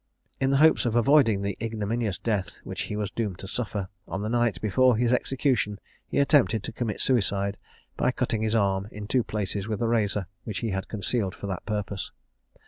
In the hopes of avoiding the ignominious death which he was doomed to suffer, on the night before his execution he attempted to commit suicide by cutting his arm in two places with a razor, which he had concealed for that purpose.